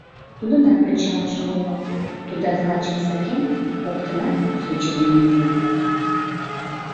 Тудынат пычалже. уло, тудат лачым сакен... коктынат ече дене улыт.